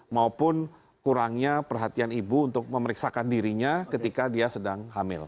maupun kurangnya perhatian ibu untuk memeriksakan dirinya ketika dia sedang hamil